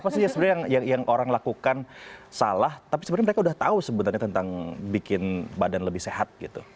apa sih sebenarnya yang orang lakukan salah tapi sebenarnya mereka udah tahu sebenarnya tentang bikin badan lebih sehat gitu